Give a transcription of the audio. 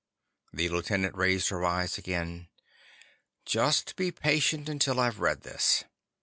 The lieutenant raised her eyes again. "Just be patient until I've read this."